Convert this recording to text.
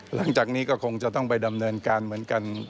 หลังจากนี้ก็คงจะต้องไปดำเนินการเหมือนกัน